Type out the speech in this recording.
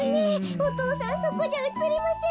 お父さんそこじゃうつりませんよ。